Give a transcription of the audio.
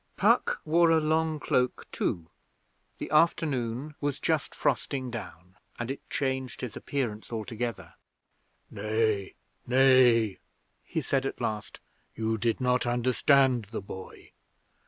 Puck wore a long cloak too the afternoon was just frosting down and it changed his appearance altogether. 'Nay, nay!' he said at last. 'You did not understand the boy.